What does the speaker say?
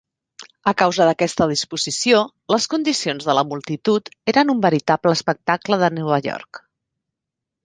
A causa d'aquesta disposició, les condicions de la multitud eren un veritable espectacle de Nova York.